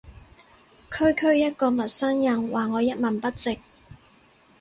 區區一個陌生人話我一文不值